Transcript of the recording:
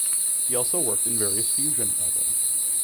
He also worked in various fusion albums.